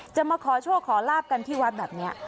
มาขอโชคขอลาบกันที่วัดแบบนี้